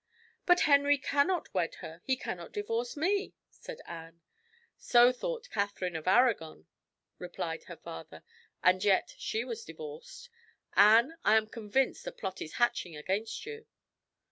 "But Henry cannot wed her he cannot divorce me," said Anne. "So thought Catherine of Arragon," replied her father; "and yet she was divorced. Anne, I am convinced a plot is hatching against you."